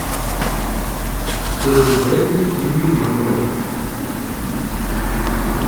Quegli bevve, quindi mormorò.